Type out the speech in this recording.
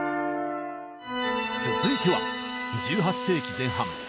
続いては１８世紀前半。